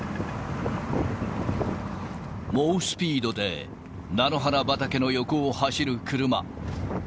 猛スピードで菜の花畑の横を走る車。